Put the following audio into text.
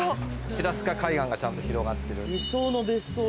白渚海岸がちゃんと広がってる。